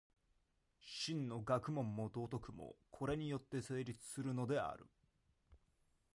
真の学問も道徳も、これによって成立するのである。